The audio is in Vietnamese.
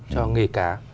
cho nghề cá